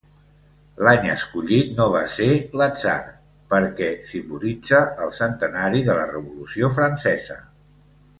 L'any escollit no va ser l'atzar, perquè simbolitza el centenari de la Revolució Francesa.